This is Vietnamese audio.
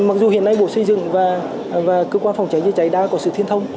mặc dù hiện nay bộ xây dựng và cơ quan phòng cháy chữa cháy đã có sự thiên thông